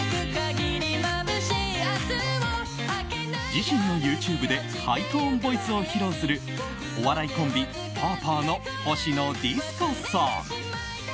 自身のＹｏｕＴｕｂｅでハイトーンボイスを披露するお笑いコンビ、パーパーのほしのでぃすこさん。